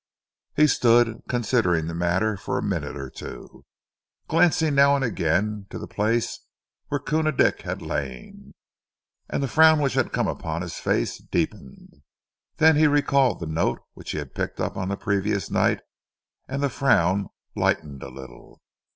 He stood considering the matter for a minute or two, glancing now and again to the place where Koona Dick had lain, and the frown which had came upon his face deepened. Then he recalled the note which he had picked up on the previous night and the frown lightened a little.